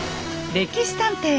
「歴史探偵」